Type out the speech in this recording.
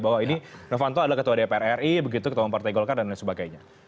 bahwa ini novanto adalah ketua dpr ri begitu ketua umum partai golkar dan lain sebagainya